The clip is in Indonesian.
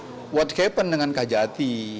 apa yang terjadi dengan kejati